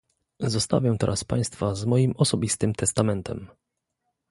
Zostawię teraz państwa z moim osobistym testamentem